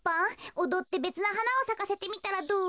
おどってべつなはなをさかせてみたらどう？